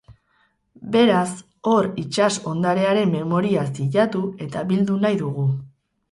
Beraz hor itsas ondarearen memoria zilatu eta bildu nahi dugu.